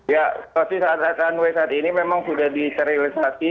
ya situasi runway saat ini memang sudah diserialisasi